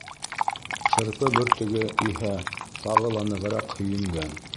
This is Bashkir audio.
Шырпы бөртөгө иһә тағы ла нығыраҡ һөйөнгән.